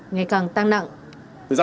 ngày càng tăng nặng